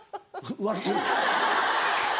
笑うてる。